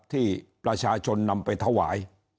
ที่ประชาชนนำไปถวาย